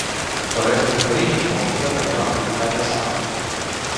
Doresc să felicit comisia pentru activitatea sa.